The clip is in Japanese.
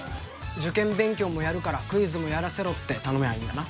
受験勉強もやるからクイズもやらせろって頼めばいいんだな。